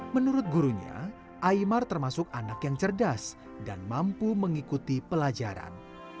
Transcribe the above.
menurut gurunya aymar termasuk anak yang cerdas dan mampu mengikuti pelajaran